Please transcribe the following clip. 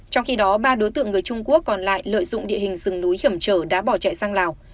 trong khi đó ba đối tượng người trung quốc còn lại lợi dụng địa hình rừng núi hiểm trở đã bỏ chạy sang lào